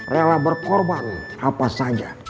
rela berkorban apa saja